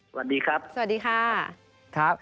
สวัสดีครับ